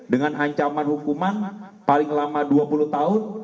dengan ancaman hukuman paling lama dua puluh tahun